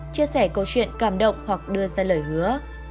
chia sẻ câu chuyện cảm động hoặc đưa ra lời hứa